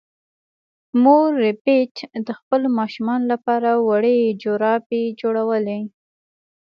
مور ربیټ د خپلو ماشومانو لپاره وړې جرابې جوړولې